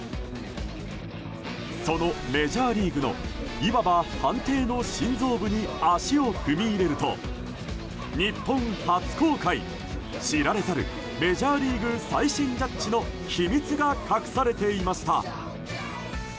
そのメジャーリーグのいわば判定の心臓部に足を踏み入れると日本初公開知られざるメジャーリーグ最新ジャッジの秘密が隠されていました。